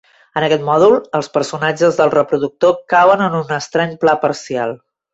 En aquest mòdul, els personatges del reproductor cauen en un estrany pla parcial.